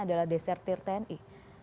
adalah desertir tni